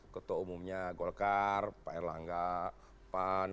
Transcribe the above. ketua umumnya golkar pak erlangga pan